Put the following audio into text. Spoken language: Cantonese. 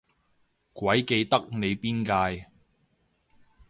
鬼記得你邊屆